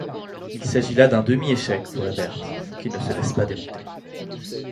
Il s'agit là d'un demi-échec pour Eberts, qui ne se laisse pas démonter.